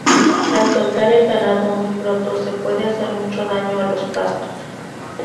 Al soltar el ganado muy pronto, se puede hacer mucho daño a los pastos.